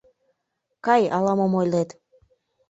Кай, ала-мом ойлет!..